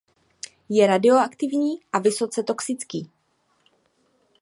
Je radioaktivní a vysoce toxický.